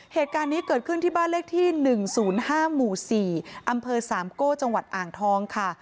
เหตุการณ์นี้เกิดขึ้นที่บ้านเลขที่๑๐๕หมู่๔อำเภอสามโก้จังหวัดอ่างทองค่ะ